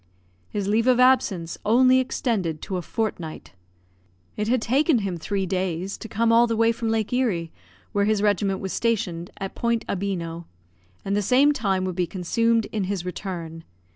His leave of absence only extended to a fortnight. It had taken him three days to come all the way from Lake Erie, where his regiment was stationed, at Point Abino; and the same time would be consumed in his return.